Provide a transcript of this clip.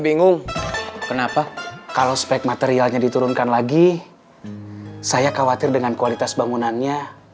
bingung kenapa kalau spek materialnya diturunkan lagi saya khawatir dengan kualitas bangunannya